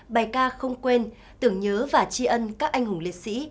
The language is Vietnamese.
bài ca không quên tưởng nhớ và tri ân các anh hùng liệt sĩ